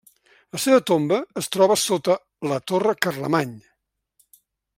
La seva tomba es troba sota la torre Carlemany.